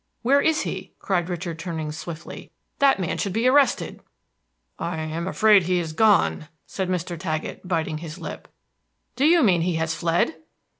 Where is he?" cried Richard, turning swiftly. "That man should be arrested!" "I am afraid he is gone," said Mr. Taggett, biting his lip. "Do you mean he has fled?"